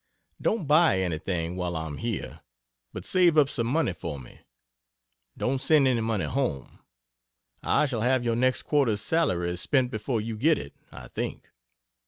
Don't buy anything while I am here but save up some money for me. Don't send any money home. I shall have your next quarter's salary spent before you get it, I think.